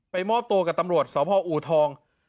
ไปมอบตัวกับตำรวจเศร้าพ่ออูทอง